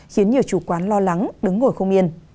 khiến nhiều chủ quán lo lắng đứng ngồi không yên